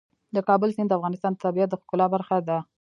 د کابل سیند د افغانستان د طبیعت د ښکلا برخه ده.